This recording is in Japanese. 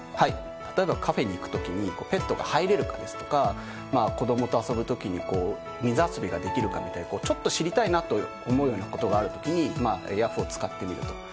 例えばカフェに行くときにペットが入れるかですとか子供と遊ぶときに水遊びができるかみたいなちょっと知りたいなと思うようなことがあるときにヤフーを使ってみると。